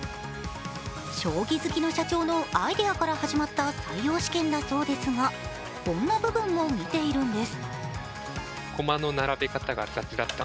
将棋好きの社長のアイデアから始まった採用試験だそうですがこんな部分も見ているんです。